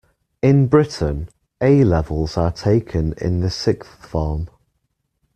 In Britain, A-levels are taken in the sixth form